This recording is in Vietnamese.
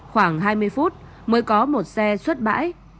khoảng hai mươi phút mới có một xe xuất bãi